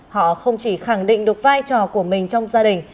họ không chỉ khẳng định được vai trò của mình trong gia đình